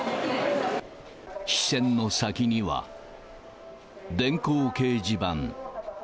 視線の先には、電光掲示板。